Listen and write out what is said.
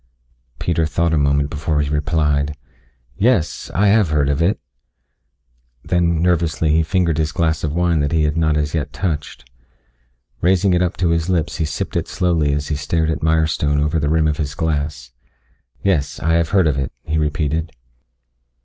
Peter thought a moment before he replied. "Yes. I have heard of it." Then nervously he fingered his glass of wine that he had not as yet touched. Raising it up to his lips he sipped it slowly as he stared at Mirestone over the rim of the glass. "Yes. I have heard of it," he repeated.